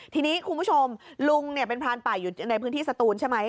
ทีนี้คุณผู้ชมลุงเป็นพรานป่าอยู่ในพื้นที่สะตูล